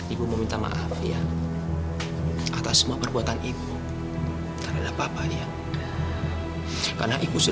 ibu mau dimaki atau bahkan ibu mau diusir